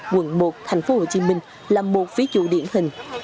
quận một thành phố hồ chí minh là một ví dụ điển hình